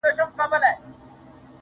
څڼي سرې شونډي تكي تـوري سترگي,